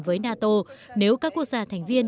với nato nếu các quốc gia thành viên